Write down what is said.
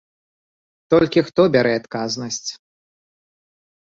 Толькі хто бярэ адказнасць.